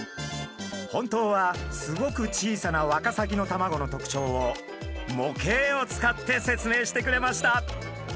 本当はすごく小さなワカサギの卵の特徴を模型を使って説明してくれました。